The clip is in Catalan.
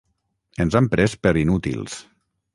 Ens han pres per inútils!